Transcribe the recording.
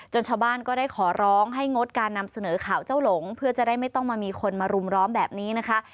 ชาวบ้านก็ได้ขอร้องให้งดการนำเสนอข่าวเจ้าหลงเพื่อจะได้ไม่ต้องมามีคนมารุมร้อมแบบนี้นะคะ